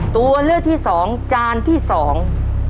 ตัวเลือกที่สองจานที่สอง